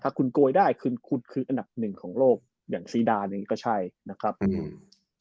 คุณโกยได้คือคุณคุณคืออันดับหนึ่งของโลกอย่างซีดานอย่างงี้ก็ใช่นะครับอืม